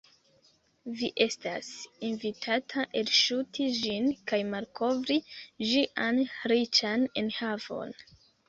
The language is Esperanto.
Vi estas invitata elŝuti ĝin kaj malkovri ĝian riĉan enhavon.